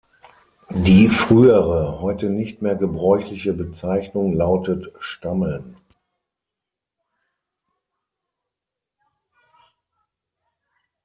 Die frühere, heute nicht mehr gebräuchliche Bezeichnung lautet Stammeln.